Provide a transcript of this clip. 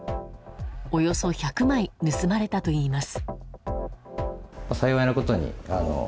およそ１００枚盗まれたといいます。